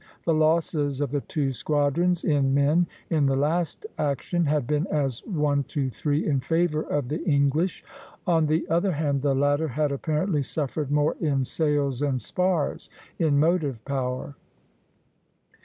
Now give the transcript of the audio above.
The losses of the two squadrons in men, in the last action, had been as one to three in favor of the English; on the other hand, the latter had apparently suffered more in sails and spars, in motive power.